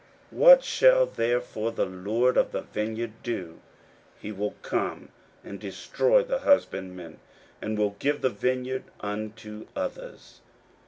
41:012:009 What shall therefore the lord of the vineyard do? he will come and destroy the husbandmen, and will give the vineyard unto others.